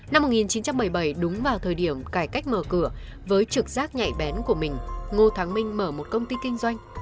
năm một nghìn chín trăm bảy mươi bảy đúng vào thời điểm cải cách mở cửa với trực rác nhạy bén của mình ngô thắng minh mở một công ty kinh doanh